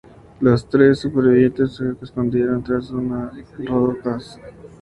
Los tres supervivientes se escondieron tras unas rocas.